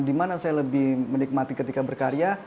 di mana saya lebih menikmati ketika berkarya